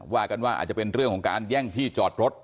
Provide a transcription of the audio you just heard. ว่ากันว่าอาจจะเป็นเรื่องของการแย่งที่จอดรถ